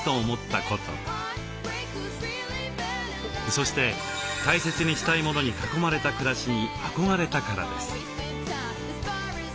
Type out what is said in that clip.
そして大切にしたいものに囲まれた暮らしに憧れたからです。